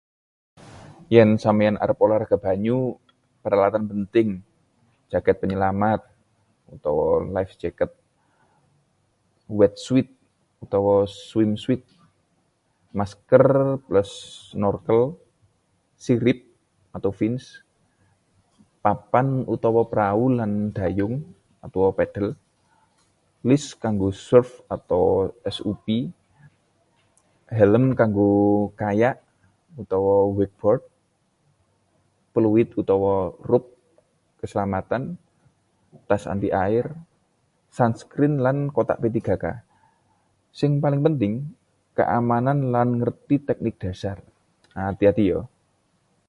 Yen sampeyan arep olahraga banyu, peralatan penting: jaket penyelamat utawa life jacket, wetsuit utawa swimsuit, masker+snorkel, sirip atau fins, papan utawa perahu lan dayung opa paddle, leash kanggo surf atau SUP, helm kanggo kayak utawa wakeboard, peluit utawa rope keselamatan, tas anti-air, sunscreen lan kotak P3K. Sing paling penting: keamanan lan ngerti teknik dhasar. Ati-ati ya!